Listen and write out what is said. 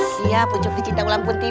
siap ujung ke cinta ulang putih